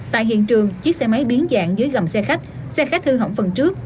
tại hiện trường chiếc xe máy biến dạng dưới gầm xe khách xe khách hư hỏng phần trước